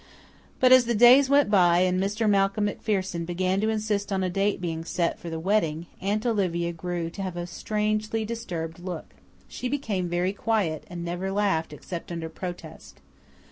But, as the days went by and Mr. Malcolm MacPherson began to insist on a date being set for the wedding, Aunt Olivia grew to have a strangely disturbed look. She became very quiet, and never laughed except under protest.